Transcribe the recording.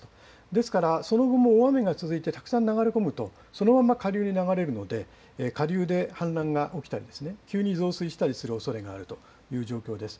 ですからその後も大雨が続いてたくさん流れ込むと、そのまま下流に流れるので、下流で氾濫が起きたり、急に増水したりするおそれがあるという状況です。